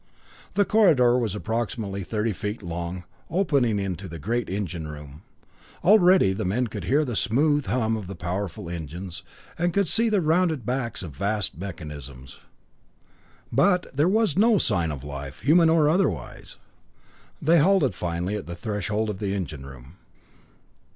The corridor was approximately thirty feet long, opening into the great engine room. Already the men could hear the smooth hum of powerful machines, and could see the rounded backs of vast mechanisms. But there was no sign of life, human or otherwise. They halted finally at the threshold of the engine room.